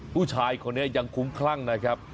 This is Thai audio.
ผู้ชายคนนี้ยังคุ้มคลั่งนะครับ